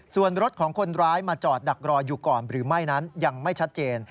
ส่วนรถของคนร้ายมาจอดดักรออยู่ก่อนหรือไม่นั้นยังไม่ชัดเจน